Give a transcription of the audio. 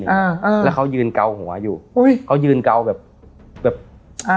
อ่าอ่าแล้วเขายืนเกาหัวอยู่อุ้ยเขายืนเกาแบบแบบอ่า